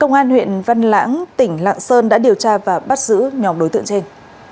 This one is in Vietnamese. công an huyện văn lãng tỉnh lạng sơn đã điều tra và bắt giữ nhóm đối tượng trên